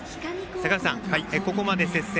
坂口さん、ここまで接戦